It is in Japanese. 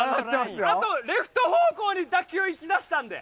あとレフト方向に打球行きだしたんで。